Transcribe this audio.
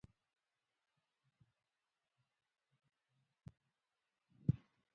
ازادي راډیو د عدالت په اړه د هر اړخیزو مسایلو پوښښ کړی.